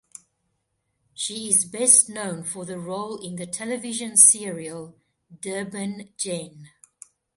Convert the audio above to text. She is best known for the role in the television serial "Durban Gen".